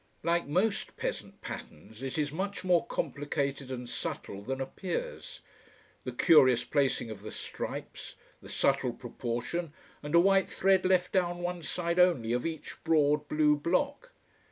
Like most peasant patterns, it is much more complicated and subtle than appears: the curious placing of the stripes, the subtle proportion, and a white thread left down one side only of each broad blue block.